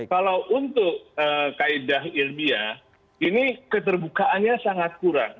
kalau untuk kaedah ilmiah ini keterbukaannya sangat kurang